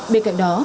bên cạnh đó